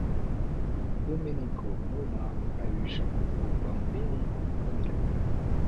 Domenico Mona a eu Jacopo Bambini comme élève.